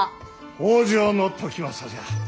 北条時政じゃ。